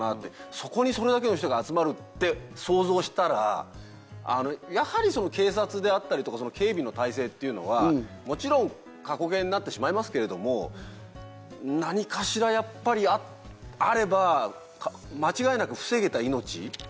そこにそれだけの人が集まるって想像したらやはり警察であったりとか警備の態勢っていうのはもちろん過去形になってしまいますけれども何かしらやっぱりあれば間違いなく防げた命。